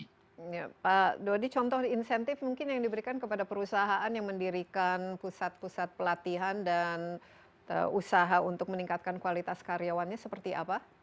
pak dodi contoh insentif mungkin yang diberikan kepada perusahaan yang mendirikan pusat pusat pelatihan dan usaha untuk meningkatkan kualitas karyawannya seperti apa